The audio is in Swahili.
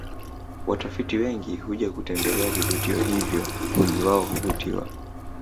Watalii wengi huja kutembelea vivutio hivyo wengi wao huvutiwa